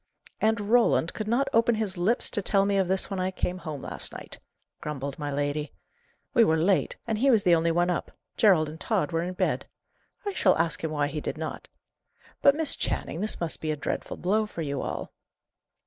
"And Roland could not open his lips to tell me of this when I came home last night!" grumbled my lady. "We were late, and he was the only one up; Gerald and Tod were in bed. I shall ask him why he did not. But, Miss Channing, this must be a dreadful blow for you all?"